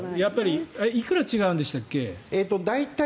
やっぱりいくら違うんでしたっけ？